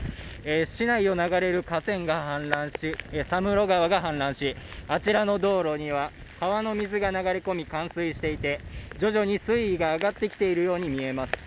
市内を流れる佐室川が氾濫し、あちらの道路には川の水が流れ込み冠水していて徐々に水位が上がってきているよう見えます。